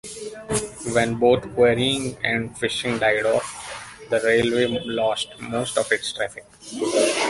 When both quarrying and fishing died off, the railway lost most of its traffic.